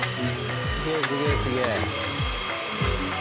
すげえすげえすげえ！